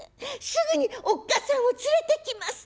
すぐにおっ母さんを連れてきます」。